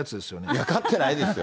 いや、買ってないですよ。